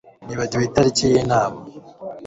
Nibagiwe itariki yinama